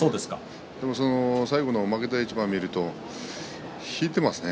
でも最後の負けた一番を見ると引いていますね。